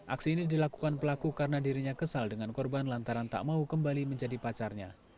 aksi ini dilakukan pelaku karena dirinya kesal dengan korban lantaran tak mau kembali menjadi pacarnya